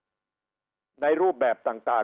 เยียวยาในรูปแบบต่างเยอะมาก